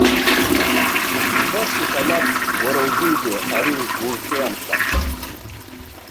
Убас иҟалап уара узынгьы ари урҿиамҭа.